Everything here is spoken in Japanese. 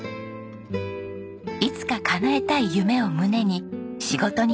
いつかかなえたい夢を胸に仕事に邁進。